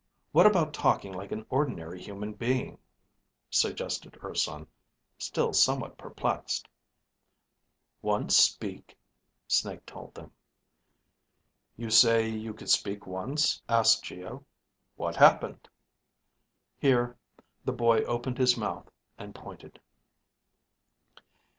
"What about talking like an ordinary human being?" suggested Urson, still somewhat perplexed. Once ... speak, Snake told them. "You say you could speak once?" asked Geo. "What happened?" Here the boy opened his mouth and pointed.